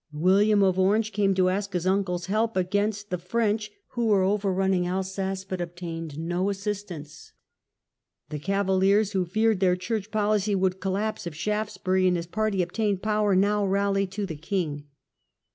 William of Orange came to ask his uncle's help against the The turn of French, who were overrunning Alsace, but the tide, obtained no assistance. The Cavaliers, who feared their church policy would collapse if Shaftesbury and his party obtained power, now rallied to the king.